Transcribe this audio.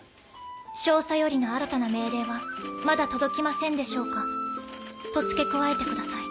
「少佐よりの新たな命令はまだ届きませんでしょうか」と付け加えてください。